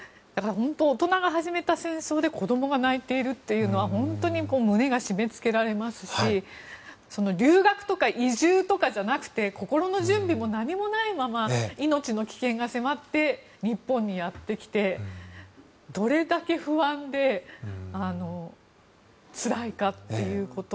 本当に、大人が始めた戦争で子どもが泣いているというのは本当に胸が締めつけられますし留学とか移住とかじゃなくて心の準備も何もないまま命の危険が迫って日本にやってきてどれだけ不安でつらいかっていうこと。